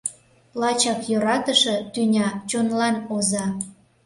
Лачак йӧратыше — тӱня чонлан оза.